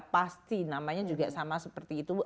pasti namanya juga sama seperti itu